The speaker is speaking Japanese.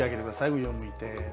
上を向いて。